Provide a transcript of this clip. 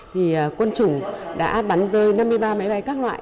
thì quân chủng đã bắn rơi năm mươi ba máy bay các loại